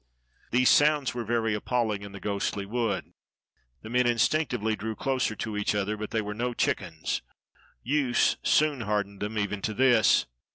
These sounds were very appalling in the ghostly wood. The men instinctively drew closer to each other; but they were no chickens; use soon hardened them even to this.